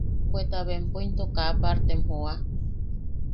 Bweta bempo into kaa partem joa.